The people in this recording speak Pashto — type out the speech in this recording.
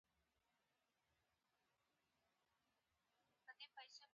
د وحدت الوجود او وحدت الشهود په باب ده.